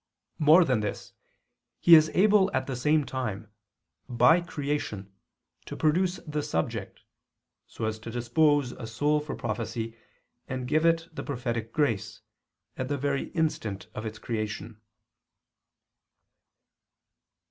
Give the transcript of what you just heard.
More than this, He is able at the same time, by creation, to produce the subject, so as to dispose a soul for prophecy and give it the prophetic grace, at the very instant of its creation.